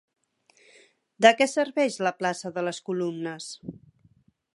De què serveix la plaça de les Columnes?